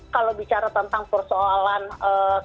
kalau bicara tentang persoalan eee